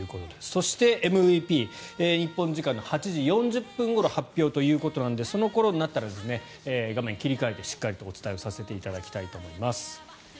そして、ＭＶＰ日本時間の８時４０分ごろに発表ということなのでその頃になったら画面を切り替えてしっかりお伝えさせていただきたいと思います。